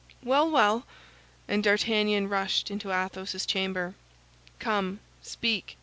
"Well, well!" and D'Artagnan rushed into Athos's chamber. "Come, speak!"